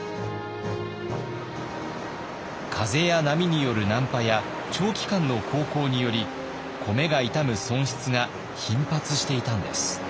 風や波による難破や長期間の航行により米が傷む損失が頻発していたんです。